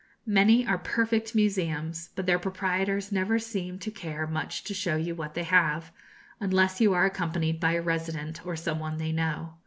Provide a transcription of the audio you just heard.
Many are perfect museums; but their proprietors never seem to care much to show you what they have, unless you are accompanied by a resident or some one they know.